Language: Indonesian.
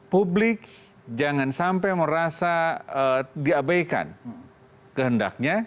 publik jangan sampai merasa diabaikan kehendaknya